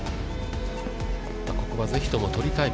ここは、ぜひとも取りたい